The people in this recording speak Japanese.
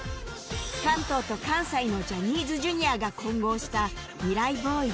関東と関西のジャニーズ Ｊｒ． が混合したミライ Ｂｏｙｓ